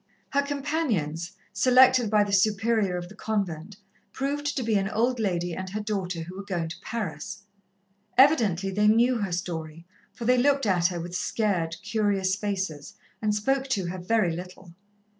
Her companions, selected by the Superior of the convent, proved to be an old lady and her daughter who were going to Paris. Evidently they knew her story, for they looked at her with scared, curious faces and spoke to her very little.